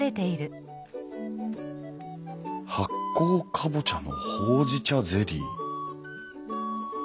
「発酵カボチャのほうじ茶ゼリー」？